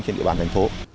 trên địa bàn thành phố